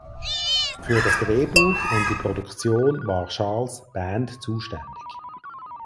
Für das Drehbuch und die Produktion war Charles Band zuständig.